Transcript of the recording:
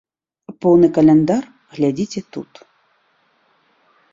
Поўны каляндар глядзіце тут.